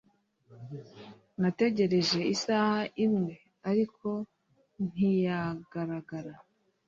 Nategereje isaha imwe, ariko ntiyagaragara.